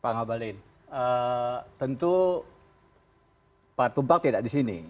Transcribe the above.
pak ngabalin tentu pak tubak tidak di sini